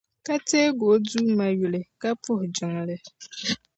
Ka teegi o Duuma yuli, ka puhi jiŋli.